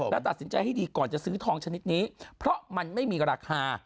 และตัดสินใจให้ดีก่อนจะซื้อทองชนิดนี้เพราะมันไม่มีราคา